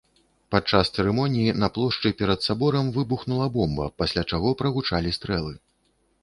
Пад час цырымоніі на плошчы перад саборам выбухнула бомба, пасля чаго прагучалі стрэлы.